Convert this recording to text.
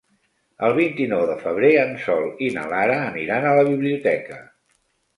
El vint-i-nou de febrer en Sol i na Lara aniran a la biblioteca.